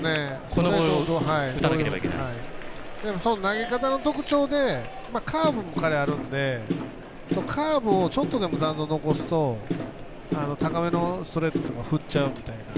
その投げ方の特徴でカーブも彼、あるんでカーブをちょっとでも残像を残すと高めのストレートとか振っちゃうみたいな。